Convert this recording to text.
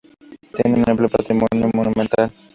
Tiene un amplio patrimonio monumental.